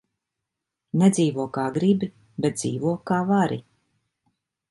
Nedzīvo, kā gribi, bet dzīvo, kā vari.